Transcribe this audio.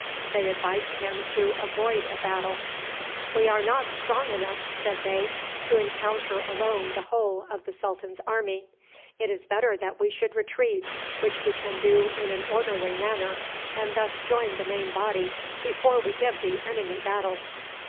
They advised him to avoid a battle. "We are not strong enough," said they, "to encounter alone the whole of the sultan's army. It is better that we should retreat, which we can do in an orderly manner, and thus join the main body before we give the enemy battle.